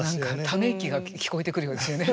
ため息が聞こえてくるようですよね。